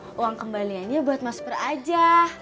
udah uang kembaliannya buat mas pur aja